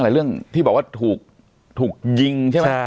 สวัสดีครับทุกผู้ชม